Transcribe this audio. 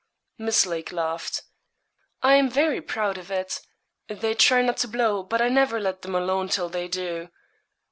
Miss Lake laughed. 'I am very proud of it. They try not to blow, but I never let them alone till they do.